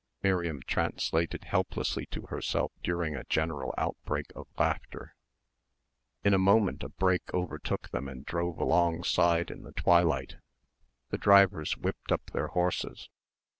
Miriam translated helplessly to herself during a general outbreak of laughter.... In a moment a brake overtook them and drove alongside in the twilight. The drivers whipped up their horses.